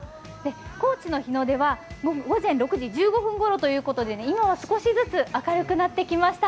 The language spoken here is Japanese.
高知の日の出は午前６時１５分ごろということで今は少しずつ明るくなってきました。